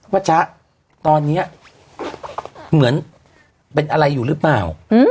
จ๊ะตอนนี้เหมือนเป็นอะไรอยู่หรือเปล่า